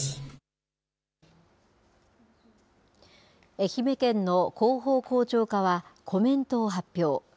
愛媛県の広報広聴課は、コメントを発表。